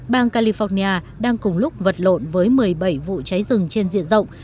bang california đang cùng lúc vật lộn với một mươi bảy vụ cháy rừng trên diện rộng